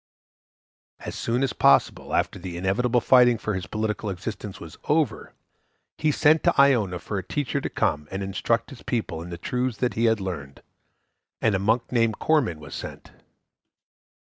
As soon as possible after the inevitable fighting for his political existence was over, he sent to Iona for a teacher to come and instruct his people in the truths he had learned; and a monk named Corman was sent.